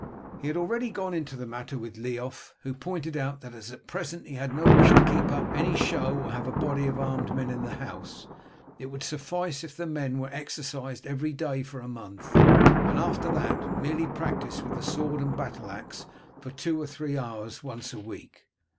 He had already gone into the matter with Leof, who pointed out that, as at present he had no wish to keep up any show or to have a body of armed men in the house, it would suffice if the men were exercised every day for a month, and after that merely practised with sword and battle axe for two or three hours once a week.